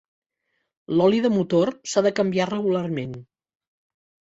L'oli de motor s'ha de canviar regularment.